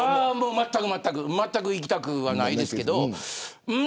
まったく行きたくはないですけど。